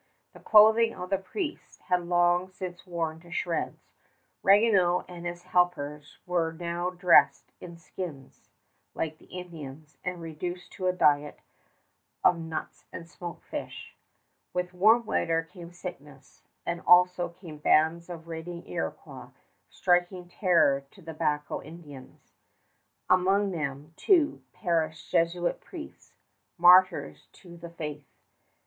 The clothing of the priests had long since worn to shreds. Ragueneau and his helpers were now dressed in skins like the Indians, and reduced to a diet of nuts and smoked fish. With warm weather came sickness. And also came bands of raiding Iroquois striking terror to the Tobacco Indians. Among them, too, perished Jesuit priests, martyrs to the faith.